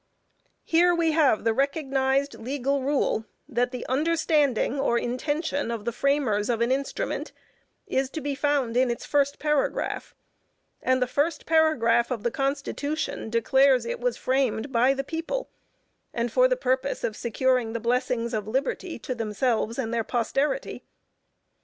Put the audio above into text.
Here we have the recognized legal rule that the understanding or INTENTION of the framers of an instrument is to be found in its first paragraph, and the first paragraph of the Constitution declares it was framed BY THE PEOPLE, and for the purpose of securing the blessings of liberty to themselves and their posterity.